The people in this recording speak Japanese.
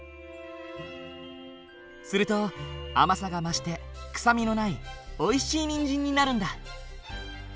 すると甘さが増して臭みのないおいしいにんじんになるんだ。